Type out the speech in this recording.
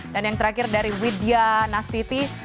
dan yang terakhir dari widya nastiti